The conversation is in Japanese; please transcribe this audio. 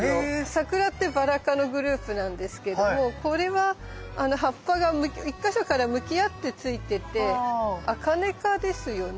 サクラってバラ科のグループなんですけれどもこれは葉っぱが１か所から向き合ってついててアカネ科ですよね。